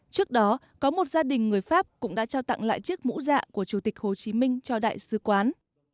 trước đó có một gia đình người pháp cũng đã trao tặng lại chiếc mũ dạ của chủ tịch hồ chí minh cho đại sứ quán